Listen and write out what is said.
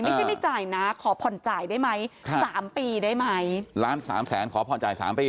ไม่ใช่ไม่จ่ายนะขอผ่อนจ่ายได้ไหมสามปีได้ไหมล้านสามแสนขอผ่อนจ่ายสามปี